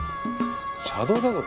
車道だぞ